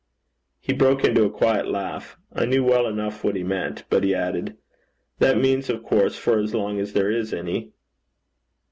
He broke into a quiet laugh. I knew well enough what he meant. But he added: 'That means, of course, for as long as there is any.'